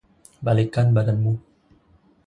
Balikkan badanmu.